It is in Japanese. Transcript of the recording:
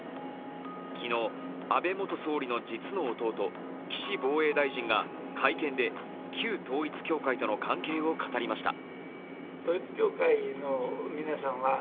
昨日、安倍元総理の実の弟・岸防衛大臣が会見で、旧統一教会との関係を語りました。